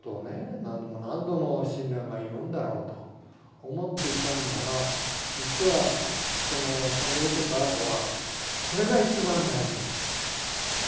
何度も何度も親鸞が言うんだろうと思っていたんだが実はその洗礼を受けたあとはそれが一番大事なんだ。